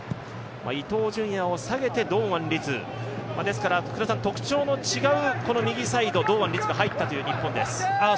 伊東純也を下げて堂安律ですから特徴の違う右サイド、堂安律が入ったという日本です。